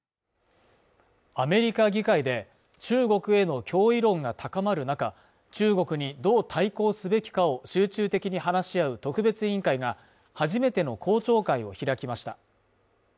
アメリカ議会で、中国への脅威論が高まる中、中国にどう対抗すべきかを集中的に話し合う特別委員会が初めての公聴会を開きました。